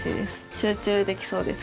集中できそうです